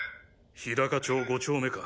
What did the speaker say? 日高町５丁目か。